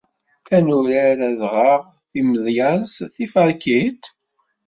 Ad nurar adɣaɣ-timedyaẓ-tiferkit?